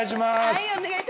はい！